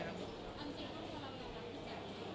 อันจริงเค้ายอมรับกับพี่แจ๋วมั้ยครับ